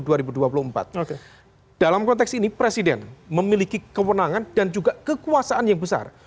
dalam konteks ini presiden memiliki kewenangan dan juga kekuasaan yang besar